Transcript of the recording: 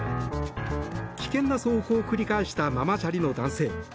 危険な走行を繰り返したママチャリの男性。